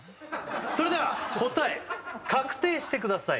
それでは答え確定してください